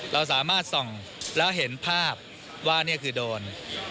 เราสามารถส่องแล้วเห็นภาพว่านี่คือโดน